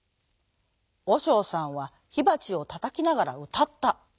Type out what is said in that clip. おしょうさんはひばちをたたきながらうたった。